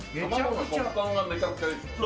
食感がめちゃくちゃいいですね。